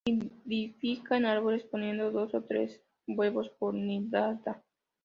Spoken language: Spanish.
Nidifica en árboles, poniendo dos o tres huevos por nidada.